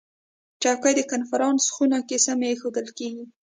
چوکۍ د کنفرانس خونه کې سمې ایښودل کېږي.